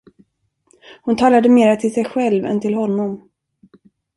Hon talade mera till sig själv än till honom.